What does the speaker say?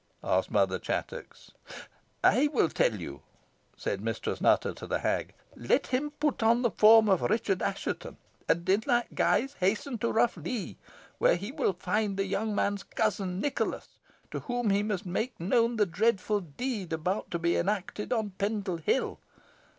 asked Mother Chattox. "I will tell you," said Mistress Nutter to the hag. "Let him put on the form of Richard Assheton, and in that guise hasten to Rough Lee, where he will find the young man's cousin, Nicholas, to whom he must make known the dreadful deed about to be enacted on Pendle Hill.